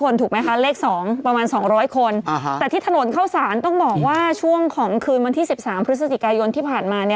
น้องพลอยอะไรอย่างนี้ไปหวังเลยบุญบารมีไม่มี